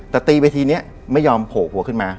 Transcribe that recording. แต่ตีไปทีนี้ไม่ยอมโผล่หัวขึ้นมา